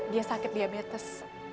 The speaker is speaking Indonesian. dia sakit diabetes